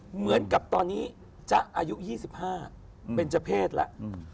เหมือนกับตอนนี้จ๊ะอายุ๒๕เป็นเจ้าเพศแล้ว